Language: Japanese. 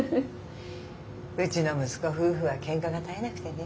うちの息子夫婦はけんかが絶えなくてね。